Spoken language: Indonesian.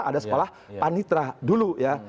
ada sekolah panitra dulu ya